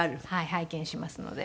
拝見しますので。